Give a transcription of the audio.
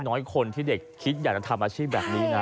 น้อยคนที่เด็กคิดอยากจะทำอาชีพแบบนี้นะ